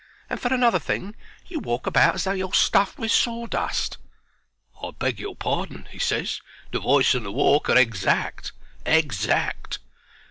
And, for another thing, you walk about as though you're stuffed with sawdust." "I beg your pardon," he ses; "the voice and the walk are exact. Exact."